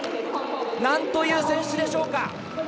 なんという選手でしょうか。